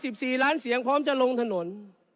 สิบสี่ล้านเสียงพร้อมจะลงถนน